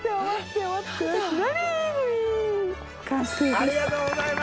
ありがとうございます！